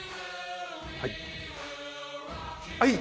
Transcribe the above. はい。